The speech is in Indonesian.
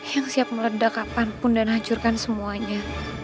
yang siap meledak kapanpun dan hancurkan semuanya